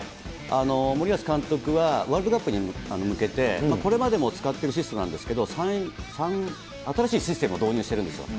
森保監督はワールドカップに向けてこれまでも使ってる選手なんですけれども、新しいシステムを導入してるんですよ。